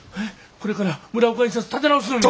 これから村岡印刷立て直すのに。